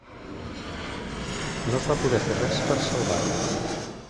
No es va poder fer res per salvar-lo.